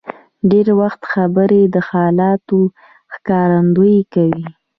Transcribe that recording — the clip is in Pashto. ډېر وخت خبرې د حالاتو ښکارندویي کوي.